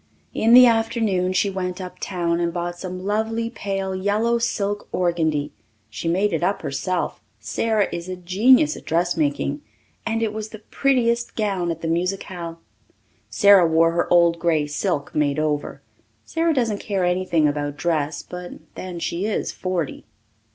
In the afternoon she went uptown and bought some lovely pale yellow silk organdie. She made it up herself Sara is a genius at dressmaking and it was the prettiest gown at the musicale. Sara wore her old grey silk made over. Sara doesn't care anything about dress, but then she is forty.